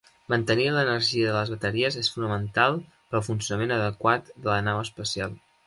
Mantenir l'energia de les bateries és fonamental per al funcionament adequat de la nau espacial.